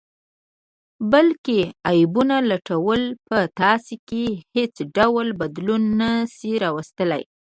بل کې عیبونه لټول په تاسې کې حیڅ ډول بدلون نه شي راوستلئ